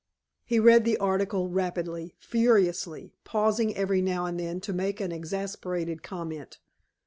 He read the article rapidly, furiously, pausing every now and then to make an exasperated comment.